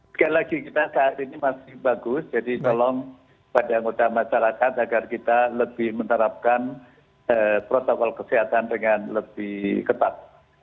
sekali lagi kita saat ini masih bagus jadi tolong pada anggota masyarakat agar kita lebih menerapkan protokol kesehatan dengan lebih ketat